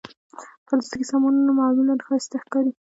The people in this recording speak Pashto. پلاستيکي سامانونه معمولا ښايسته ښکاري.